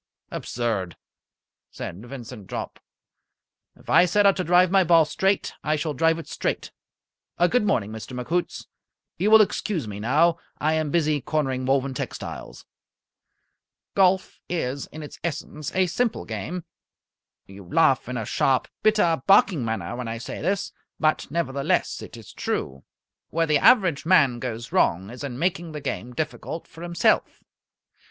"Absurd!" said Vincent Jopp. "If I set out to drive my ball straight, I shall drive it straight. Good morning, Mr. McHoots. You will excuse me now. I am busy cornering Woven Textiles." Golf is in its essence a simple game. You laugh in a sharp, bitter, barking manner when I say this, but nevertheless it is true. Where the average man goes wrong is in making the game difficult for himself.